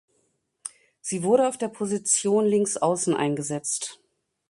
Sie wurde auf der Position Linksaußen eingesetzt.